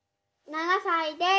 「７歳です。